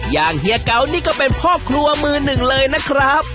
เฮียเกานี่ก็เป็นพ่อครัวมือหนึ่งเลยนะครับ